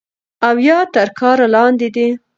او يا تر كار لاندې دی